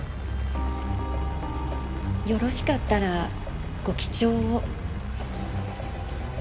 よろしかったらご記帳を。